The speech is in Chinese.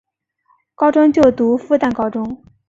高中就读复旦高中。